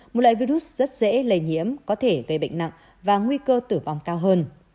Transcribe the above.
một loại virus rất dễ lây nhiễm có thể gây bệnh nặng và nguy cơ tử vong cao hơn